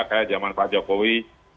kayak zaman pak jokowi